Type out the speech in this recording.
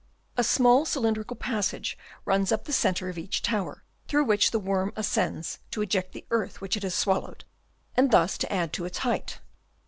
A small cylindrical passage runs up the centre of each tower, through which the worm ascends to eject the earth which it has swallowed, and thus to add to its height.